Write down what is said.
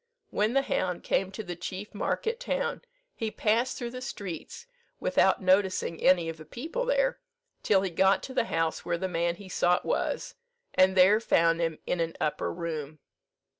When the hound came to the chief market town, he passed through the streets, without noticing any of the people there, till he got to the house where the man he sought was, and there found him in an upper room.